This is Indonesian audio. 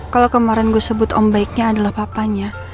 kalau kemarin gue sebut om baiknya adalah papanya